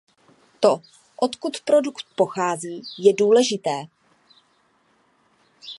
To, odkud produkt pochází, je důležité.